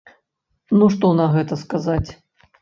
Ну, што на гэта сказаць?